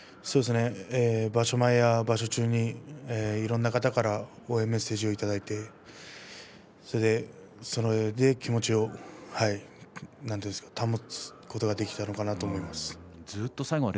場所前や場所中にいろいろな方から応援メッセージをいただいてそれで気持ちをなんていうんですか保つことができたんだと思います。